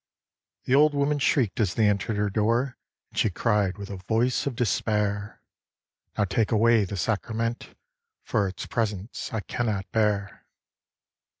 The Old Woman shriek'd as they enter'd her door, And she cried with a voice of despair, 'Now take away the sacrament, For its presence I cannot bear!'